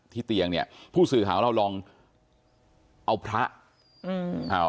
ที่เตียงเนี่ยผู้สื่อขาวเราลองเอาพระ